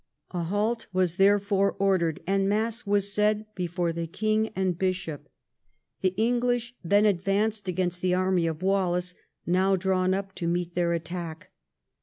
A halt was therefore ordered, and mass was said before the king and bishop. The English then XII THE CONQUEST OF SCOTLAND 207 advanced against the array of Wallace, now drawn up to meet their attack.